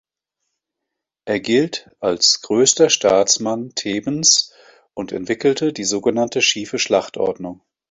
Er gilt als größter Staatsmann Thebens und entwickelte die sogenannte Schiefe Schlachtordnung.